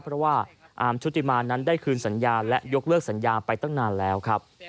เพราะว่าอาร์มชุติมานั้นได้คืนสัญญาและยกเลิกสัญญาไปตั้งนานแล้วครับ